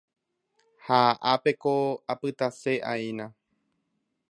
Ha ápeko apytase'aína